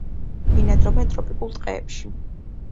ბინადრობენ ტროპიკულ ტყეებში.